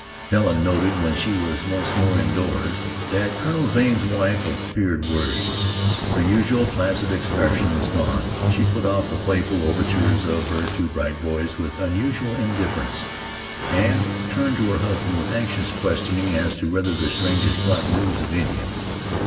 Helen noted, when she was once more indoors, that Colonel Zane's wife appeared worried. Her usual placid expression was gone. She put off the playful overtures of her two bright boys with unusual indifference, and turned to her husband with anxious questioning as to whether the strangers brought news of Indians.